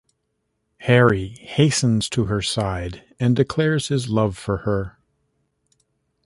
Harry hastens to her side and declares his love for her.